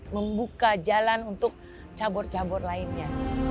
membuka jalan untuk cabur cabur lainnya